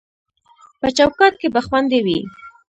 په چوکاټ کې به خوندي وي